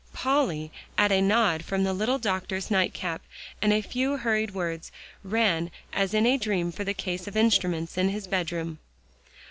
Polly, at a nod from the little doctor's night cap and a few hurried words, ran as in a dream for the case of instruments in his bedroom.